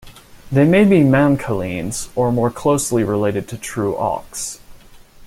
They may be mancallines, or more closely related to true auks.